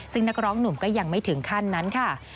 ซึ่งนักร้องหนุ่มก็ยังไม่ถึงขั้นนั้นค่ะ